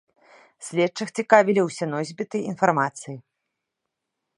Следчых цікавілі усе носьбіты інфармацыі.